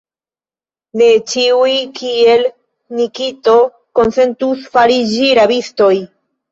Ne ĉiuj, kiel Nikito, konsentus fariĝi rabistoj!